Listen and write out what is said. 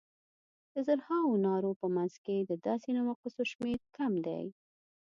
د زرهاوو نارو په منځ کې د داسې نواقصو شمېر کم دی.